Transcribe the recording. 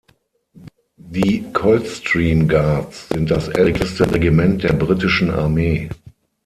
Die Coldstream Guards sind das älteste Regiment der britischen Armee.